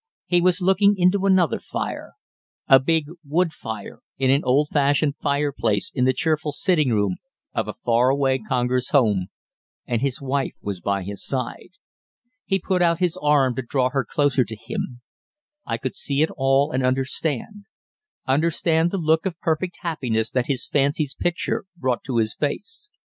He was looking into another fire a big, wood fire in an old fashioned fireplace in the cheerful sitting room of a far away Congers home, and his wife was by his side. He put out his arm to draw her closer to him. I could see it all and understand understand the look of perfect happiness that his fancy's picture brought to his face.